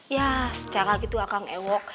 ya secara gitu akan ewok